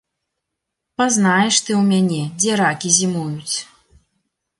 Пазнаеш ты ў мяне, дзе ракі зімуюць!